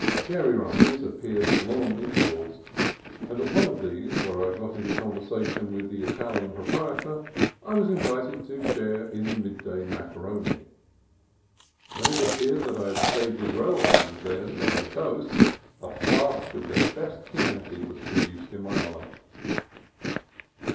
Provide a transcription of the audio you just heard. Dairy ranches appeared at long intervals, and at one of these, where I got into conversation with the Italian proprietor, I was invited to share in the midday macaroni. When it appeared that I had stayed with relatives of theirs down the coast, a flask of their best Chianti was pro duced in my honor.